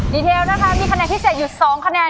ดีเทลนะคะมีคะแนนพิเศษอยู่๒คะแนน